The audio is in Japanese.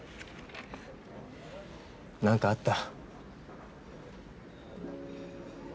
何かあった？